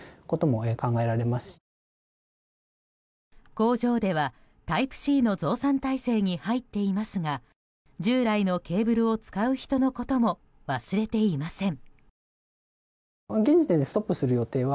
工場ではＴｙｐｅ‐Ｃの増産体制に入っていますが従来のケーブルを使う人のことも忘れていません。